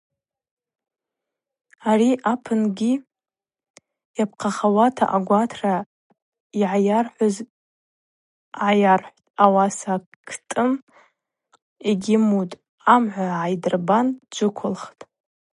Ари апынгьи йапхъахауа Агварта йгӏайархӏвыз гӏайархӏвтӏ, Ауаса Кӏтӏым йгьйымуытӏ, Амгӏва гӏайдырбан дджвыквылхтӏ.